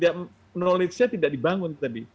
ya knowledge nya tidak dibangun tadi